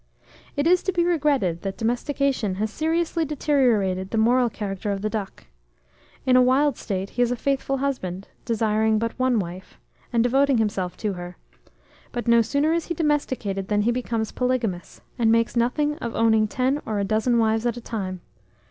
It is to be regretted that domestication has seriously deteriorated the moral character of the duck. In a wild state, he is a faithful husband, desiring but one wife, and devoting himself to her; but no sooner is he domesticated than he becomes polygamous, and makes nothing of owning ten or a dozen wives at a time.